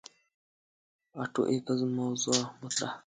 آټو ایفز موضوغ مطرح کړه.